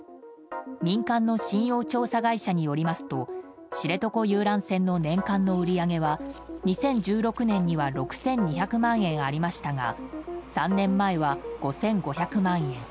民間の信用調査会社によりますと知床遊覧船の年間の売り上げは２０１６年には６２００万円ありましたが３年前は５５００万円